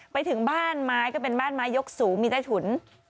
ไปถึงบ้านไม้ก็เป็นบ้านไม้ยกสูงมีใต้ถุน